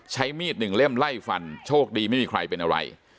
ใช้มีดหนึ่งเล่มไล่ฟันโชคดีไม่มีใครเป็นอะไร